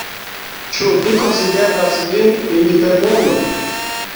Ĉu vi konsideras vin lingvemulo?